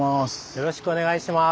よろしくお願いします。